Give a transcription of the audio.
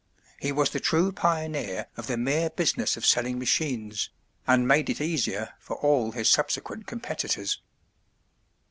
He was the true pioneer of the mere business of selling machines, and made it easier for all his subsequent competitors."